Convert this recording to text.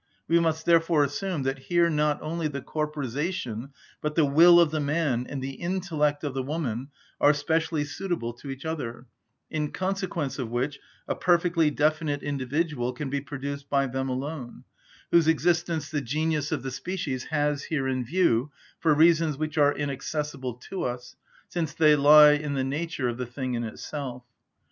We must therefore assume that here not only the corporisation, but the will of the man and the intellect of the woman are specially suitable to each other, in consequence of which a perfectly definite individual can be produced by them alone, whose existence the genius of the species has here in view, for reasons which are inaccessible to us, since they lie in the nature of the thing in itself.